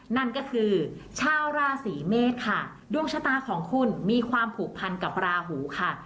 นั่นก็คือชาวราศีเมษค่ะดวงชะตาของคุณมีความผูกพันกับราหูค่ะ